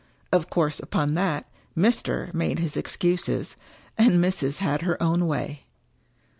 Of course upon that, " Mr." made his excuses, and " Mrs." had her own way.